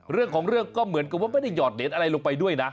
เรื่องของเรื่องก็เหมือนกับว่าไม่ได้หอดเหรียญอะไรลงไปด้วยนะ